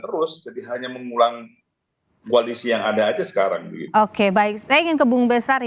terus jadi hanya mengulang koalisi yang ada aja sekarang oke baik saya ingin ke bung besar